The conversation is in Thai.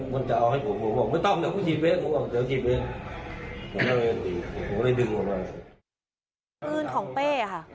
ปืนของเป้ค่ะ